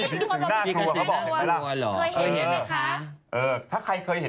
ผีกองก้อยอะ